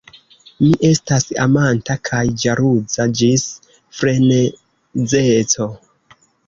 Mi estas amanta kaj ĵaluza ĝis frenezeco.